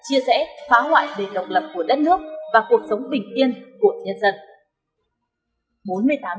chia rẽ phá hoại nền độc lập của đất nước và cuộc sống bình yên của nhân dân